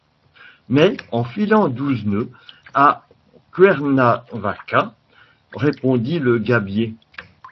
Mais, en filant douze nœuds, à Cuernavaca, répondit le gabier.